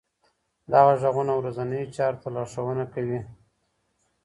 دغه غږونه ورځنیو چارو ته لارښوونه کوي.